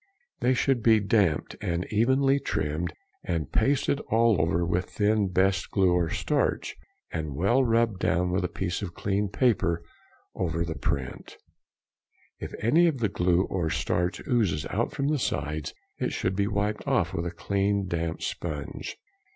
|171| They should be damped, and evenly trimmed and pasted all over with thin best glue or starch, and well rubbed down with a piece of clean paper over the print. If any of the glue or starch oozes out from the sides, it should be wiped off with a clean damp sponge.